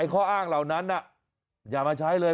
ข้ออ้างเหล่านั้นอย่ามาใช้เลย